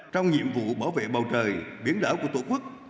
trong nhiệm vụ bảo vệ bầu trời biến lỡ của tổ quốc